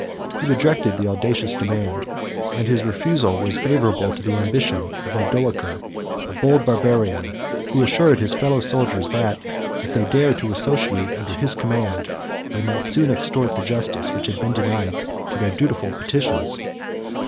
He rejected the audacious demand; and his refusal was favorable to the ambition of Odoacer; a bold Barbarian, who assured his fellow soldiers, that, if they dared to associate under his command, they might soon extort the justice which had been denied to their dutiful petitions.